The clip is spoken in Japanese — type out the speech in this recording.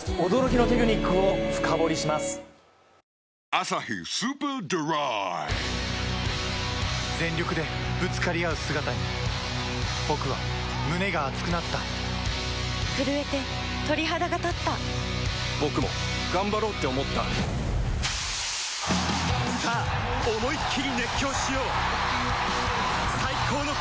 「アサヒスーパードライ」全力でぶつかり合う姿に僕は胸が熱くなった震えて鳥肌がたった僕も頑張ろうって思ったさあ思いっきり熱狂しよう最高の渇きにＤＲＹ